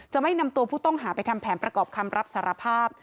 ไม่นำตัวผู้ต้องหาไปทำแผนประกอบคำรับสารภาพ